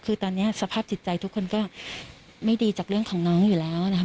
คือตอนนี้สภาพจิตใจทุกคนก็ไม่ดีจากเรื่องของน้องอยู่แล้วนะครับ